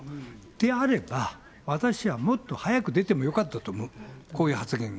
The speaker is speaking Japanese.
であれば、私はもっと早く出てもよかったと思う、こういう発言が。